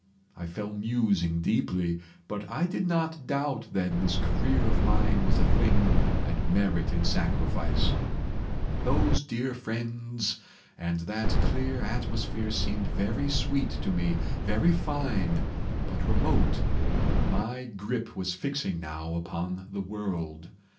I fell musing deeply, but I did not doubt then this career of mine was a thing that merited sacrifice. "Those dear friends and that clear atmosphere seemed very sweet to me, very fine, but remote. My grip was fixing now upon the world.